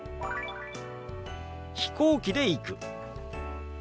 「飛行機で行く」。